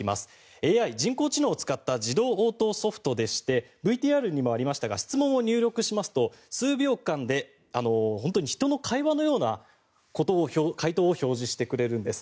ＡＩ・人工知能を使った自動応答ソフトでしてＶＴＲにもありましたが質問を入力しますと数秒間で人の会話のような回答を表示してくれるんです。